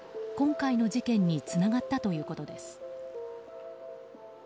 今回の事件につながったということです。